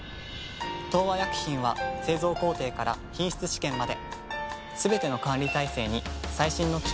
東和薬品は製造工程から品質試験まですべての管理体制に最新の機器や技術を導入。